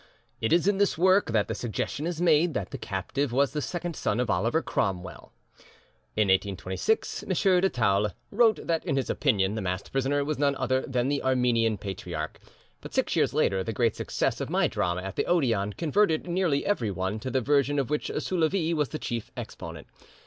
It is in this work that the suggestion is made that the captive was the second son of Oliver Cromwell. In 1826, M. de Taules wrote that, in his opinion, the masked prisoner was none other than the Armenian Patriarch. But six years later the great success of my drama at the Odeon converted nearly everyone to the version of which Soulavie was the chief exponent.